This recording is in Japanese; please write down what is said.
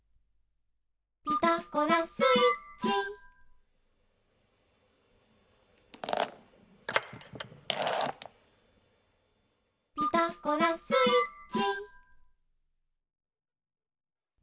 「ピタゴラスイッチ」「ピタゴラスイッチ」